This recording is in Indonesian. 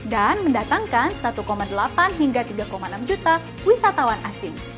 dan mendatangkan satu delapan hingga tiga enam juta wisatawan asing